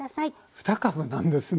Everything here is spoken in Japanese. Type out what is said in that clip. ２株なんですね。